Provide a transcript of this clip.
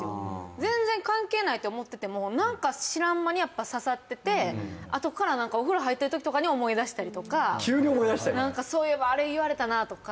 全然関係ないと思っててもなんか知らん間にやっぱ、刺さっててあとからお風呂入ってるときとかに思い出したりとかなんかあれ言われたなとか。